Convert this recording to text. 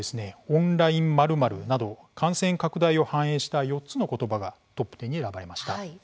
オンライン○○など感染拡大を反映した４つの言葉がトップ１０に上がりました。